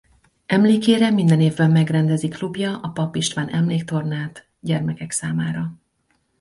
Emlékére minden évben megrendezi klubja a Papp István-emléktornát gyermekek számára.